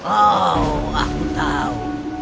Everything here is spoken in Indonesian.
oh aku tahu